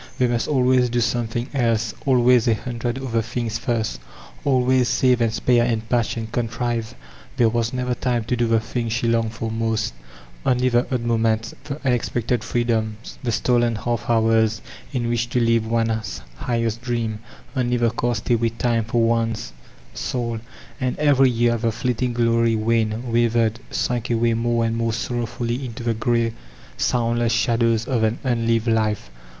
They must always do something else, always a hundred other things first, always save and spare and patch and contrive; there was never time to do the thing she longed for most Only the odd moments, the unex pected freedoms, the stolen half hours, in which to live one's highest dream, only the castaway time for one's soul 1 And every year the fleeting glory waned, wavered, sunk away more and more sorrowfully into the gray, soundless shadows of an unlived life.